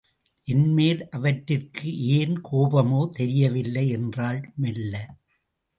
என்மேல் அவற்றிற்கு ஏன் கோபமோ தெரியவில்லை என்றாள் மெல்ல.